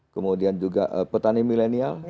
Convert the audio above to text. kemudian juga petani milenial